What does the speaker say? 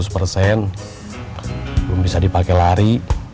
belum bisa dipakai lari